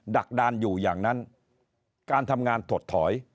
ักดานอยู่อย่างนั้นการทำงานถดถอย